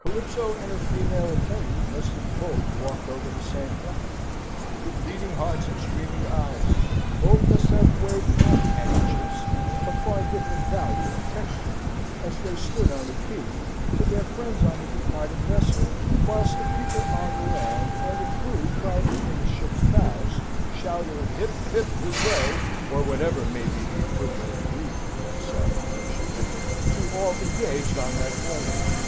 Calypso and her female attendant must have both walked over the same plank, with beating hearts and streaming eyes; both must have waved pocket handkerchiefs (of far different value and texture), as they stood on the quay, to their friends on the departing vessel, whilst the people on the land, and the crew crowding in the ship's bows, shouted hip, hip, huzzay (or whatever may be the equivalent Greek for the salutation) to all engaged on that voyage.